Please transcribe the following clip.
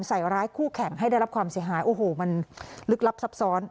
ใส่ร้ายคู่แข่งให้ได้รับความเสียหายโอ้โหมันลึกลับซับซ้อน